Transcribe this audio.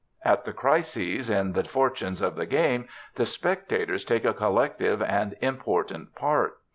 At the crises in the fortunes of the game, the spectators take a collective and important part.